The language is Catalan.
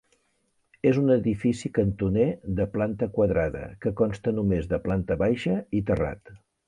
És un edifici cantoner de planta quadrada, que consta només de planta baixa i terrat.